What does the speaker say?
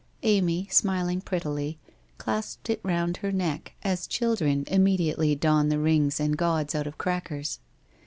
Amy, smiling prettily, clasped it round her neck, as children immediately don the rings and gauds out of crackers.